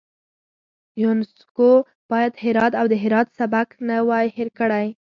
یونسکو باید هرات او د هرات سبک نه وای هیر کړی.